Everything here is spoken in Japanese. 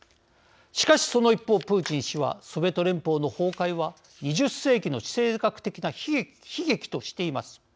しかしその一方プーチン氏はソビエト連邦の崩壊は２０世紀の地政学的な悲劇としています。